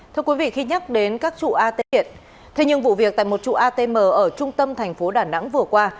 thế nhưng vụ việc tại một trụ atm ở trung tâm thành phố đà nẵng vừa qua